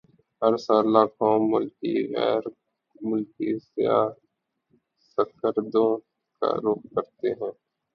ہر سال لاکھوں ملکی وغیر ملکی سیاح سکردو کا رخ کرتے ہیں